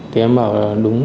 thì em bảo là đúng